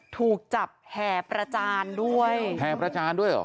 ถูกจับแห่ประจานด้วยแห่ประจานด้วยเหรอ